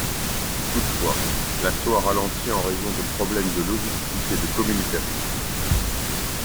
Toutefois, l'assaut a ralenti en raison de problèmes de logistique et de communications.